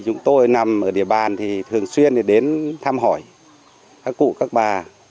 chúng tôi nằm ở địa bàn thì thường xuyên đến thăm hỏi các cụ các bà